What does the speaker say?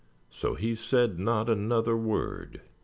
So he said not another word.